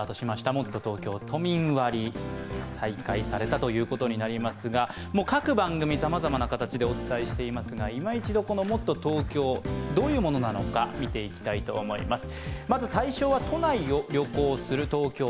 もっとＴｏｋｙｏ、都民割、再開されたということになりますが、各番組さまざまな形でお伝えしていますがいま一度、もっとＴｏｋｙｏどういうものなのか見ていきたいと思います。